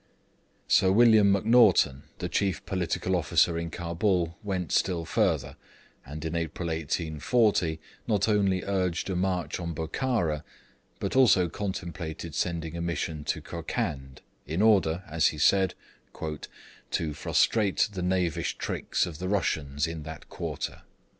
Sir William McNaghten, the chief political officer in Cabul, went still further, and in April 1840 not only urged a march on Bokhara, but also contemplated sending a Mission to Kokand, in order, as he said, 'to frustrate the knavish tricks of the Russians in that quarter.'